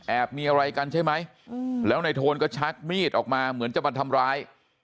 มีอะไรกันใช่ไหมแล้วในโทนก็ชักมีดออกมาเหมือนจะมาทำร้าย